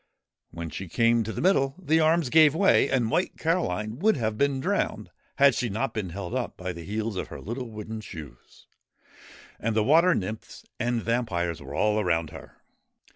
When she came to the middle, the arms gave way, and White Caroline would have been drowned had she not been held by the heels of her little wooden shoes. And the water nymphs and vampires were all around her.